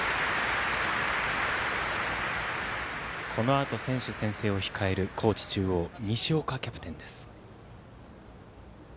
このあと選手宣誓を控える高知中央、西岡キャプテンです。